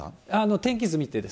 天気図見てです。